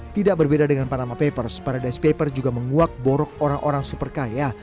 tidak berbeda dengan panama papers paradise paper juga menguak borok orang orang super kaya